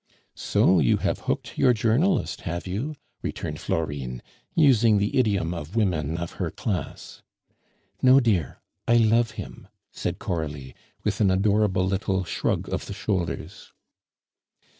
"So you have hooked your journalist, have you?" returned Florine, using the idiom of women of her class. "No, dear; I love him," said Coralie, with an adorable little shrug of the shoulders.